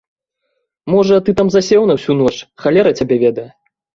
Можа, ты там засеў на ўсю ноч, халера цябе ведае.